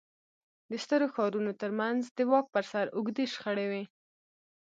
د سترو ښارونو ترمنځ د واک پر سر اوږدې شخړې وې